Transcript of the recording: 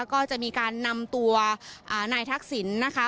ก็จะมีการนำตัวนายทักษิณนะคะ